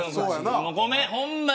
ごめんホンマに。